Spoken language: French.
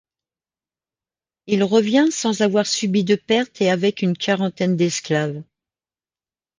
Il revient sans avoir subi de pertes et avec une quarantaine d'esclaves.